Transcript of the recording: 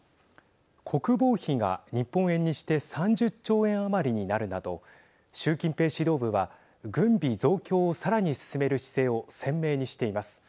国防費が日本円にして３０兆円余りになるなど習近平指導部は軍備増強を、さらに進める姿勢を鮮明にしています。